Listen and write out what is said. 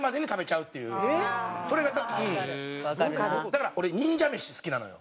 だから俺忍者めし好きなのよ。